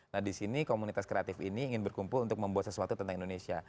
nah di sini komunitas kreatif ini ingin berkumpul untuk membuat sesuatu tentang indonesia